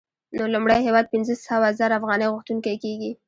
نو لومړی هېواد پنځه سوه زره افغانۍ غوښتونکی کېږي